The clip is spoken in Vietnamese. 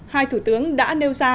hai thủ tướng đã nêu ra